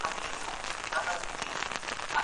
رسول مقبول صلی الله عليه وسلم فرمايلي دي